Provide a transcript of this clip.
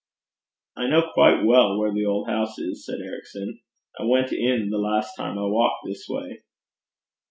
'I know quite well where the old house is,' said Ericson. 'I went in the last time I walked this way.'